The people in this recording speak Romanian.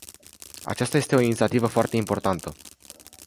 Aceasta este o inițiativă foarte importantă.